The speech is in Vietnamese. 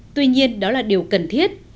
tuy nhiên đó là điều cần thiết